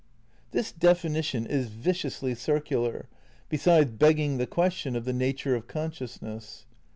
This definition is viciously circular, besides begging the question of the nature of consciousness.